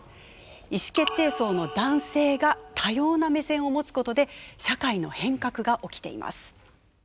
意思決定層の男性が多様な目線を持つことで社会の変革が起きています。